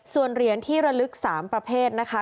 ส่วนเหรียญที่ระลึก๓ประเภทนะคะ